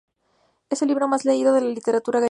Es el libro más leído de la literatura gallega.